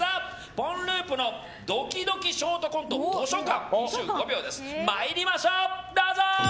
ポンループのドキドキショートコント図書館！